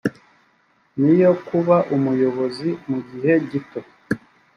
ni iyo kuba umuyobozi mu gihe gito